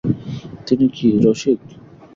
তিনি কি– রসিক।